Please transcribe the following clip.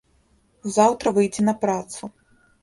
Заўтра выйдзе на працу.